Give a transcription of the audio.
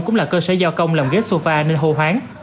cũng là cơ sở gia công làm ghế sufa nên hô hoáng